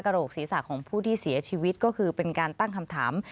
โหลกศีรษะของผู้ที่เสียชีวิตก็คือเป็นการตั้งคำถาม